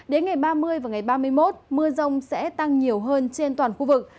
đến ngày ba mươi và ngày ba mươi một mưa rông sẽ tăng nhiều hơn trên toàn khu vực